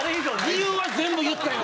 理由は全部言ったよ？